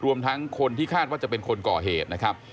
รวมทั้งคนที่คาดว่าจะเป็นคนก่อเหตุนะครับ